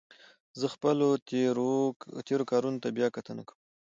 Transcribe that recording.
زه خپلو تېرو کارونو ته بیا کتنه کوم.